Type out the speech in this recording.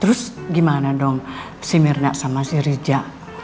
terus gimana dong si mirna sama si rija